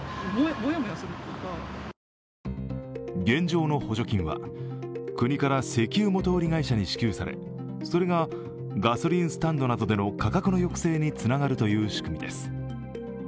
現状の補助金は、国から石油元売り会社に支給されそれがガソリンスタンドなどでの価格の抑制につながるという仕組みです。